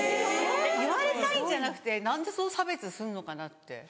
言われたいんじゃなくて何でそう差別すんのかなって。